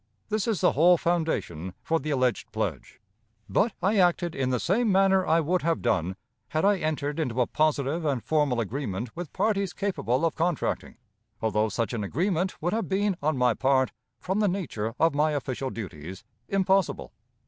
This is the whole foundation for the alleged pledge. But I acted in the same manner I would have done had I entered into a positive and formal agreement with parties capable of contracting, although such an agreement would have been, on my part, from the nature of my official duties, impossible.